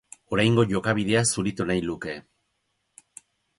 Oraingo jokabidea zuritu nahi luke.